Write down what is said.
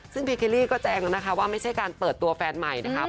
ซึ่งพี่เคลลี่ก็แจ้งนะคะว่าไม่ใช่การเปิดตัวแฟนใหม่นะครับ